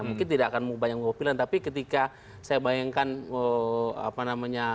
mungkin tidak akan banyak mengopinan tapi ketika saya bayangkan